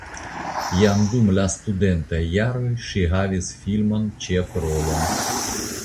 Jam dum la studentaj jaroj ŝi havis filman ĉefrolon.